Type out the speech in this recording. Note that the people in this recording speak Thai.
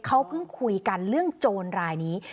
เขาเพิ่งคุยกันเรื่องโจรรายนี้